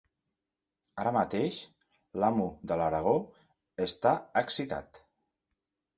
Ara mateix, l'amo de l'Aragó està excitat.